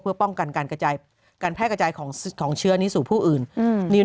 เพื่อป้องกันการกระจายการแพร่กระจายของเชื้อนี้สู่ผู้อื่น